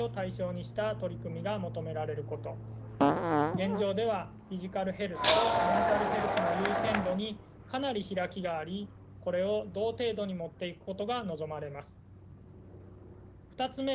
現状ではフィジカルヘルスとメンタルヘルスの優先度にかなり開きがありこれを同程度に持っていくことが望まれます。